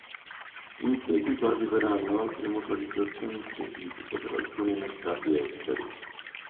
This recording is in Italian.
In seguito arriveranno altre motorizzazioni specifiche per alcuni mercati esteri.